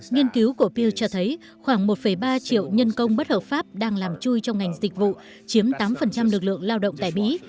nghiên cứu của pew cho thấy khoảng một ba triệu nhân công bất hợp pháp đang làm chui trong ngành dịch vụ chiếm tám lực lượng lao động tại mỹ